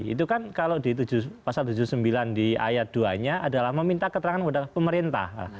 itu kan kalau di pasal tujuh puluh sembilan di ayat dua nya adalah meminta keterangan kepada pemerintah